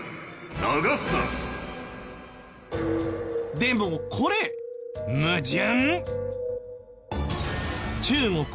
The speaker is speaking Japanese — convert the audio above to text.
でもこれ矛盾！